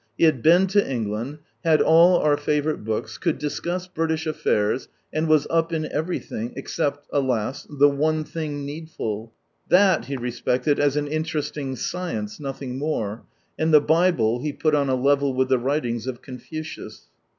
He had been to England, had all our favourite books,' could discuss British affairs, and was up in everything, except, alas, the one thing needful That he respected as an interesting science, nothing more, and the Bible he put on a level with the writings of Confucius.